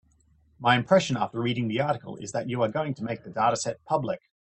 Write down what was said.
My impression after reading the article is that you are going to make the dataset public.